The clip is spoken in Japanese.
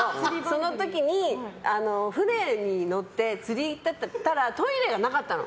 その時に船に乗って釣りに行ったらトイレがなかったの。